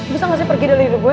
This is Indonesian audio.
bisa gak sih pergi dari hidup gue